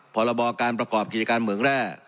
พรบการประกอบกิจการเหมืองแร่